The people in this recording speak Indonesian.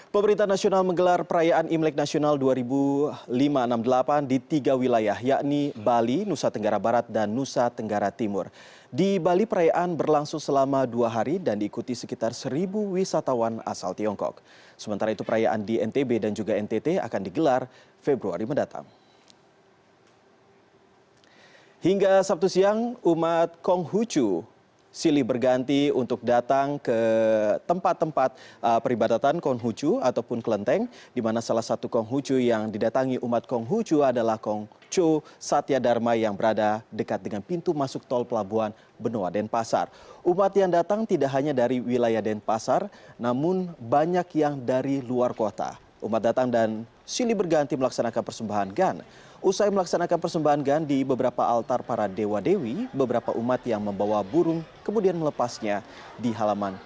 pemerintah nasional menggelar perayaan imlek nasional dua puluh ribu lima ratus enam puluh delapan di tiga wilayah